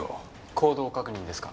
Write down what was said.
行動確認ですか。